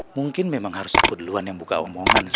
mungkin memang harus aku duluan yang buka omongan sih